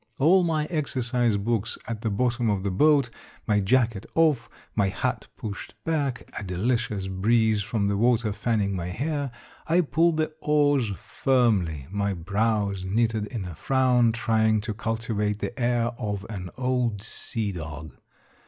All my exercise books at the bottom of the boat, my jacket off, my hat pushed back, a delicious breeze from the water fanning my hair, I pulled the oars firmly, my brows knitted in a frown, trying to cultivate the air of an old sea dog.